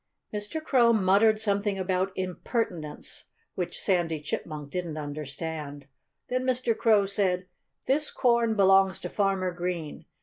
Mr. Crow muttered something about impertinence, which Sandy Chipmunk didn't understand. Then Mr. Crow said: "This corn belongs to Farmer Green.